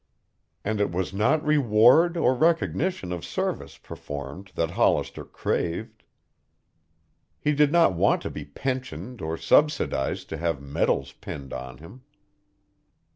And it was not reward or recognition of service performed that Hollister craved. He did not want to be pensioned or subsidized or to have medals pinned on him.